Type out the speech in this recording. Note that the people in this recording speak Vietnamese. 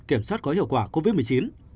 kiểm soát có hiệu quả covid một mươi chín